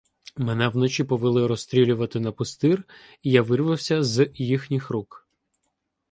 Мене вночі повели розстрілювати на пустир, і я вирвався з їхніх рук.